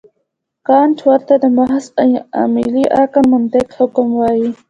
کانټ ورته د محض عملي عقل مطلق حکم وايي.